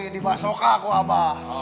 di basoka kok abah